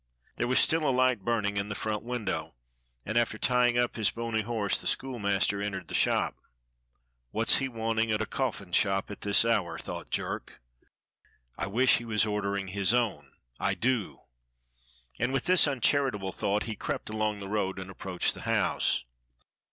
There was still a light burn ing in the front window, and after tying up his bony horse the schoolmaster entered the shop. "Wliat's 60 DOCTOR SYN he wanting at a coflSn shop at this hour? " thought Jerk. " I wish he was ordering his own, I do !" And with this uncharitable thought he crept along the road and ap proached the house.